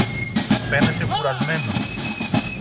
φαίνεσαι κουρασμένος